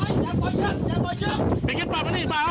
นี่คือนาธิชีวิตจริงคุณผู้ชมครับทะเลเกือบกลืนห้าชีวิตนี้ไปแล้ว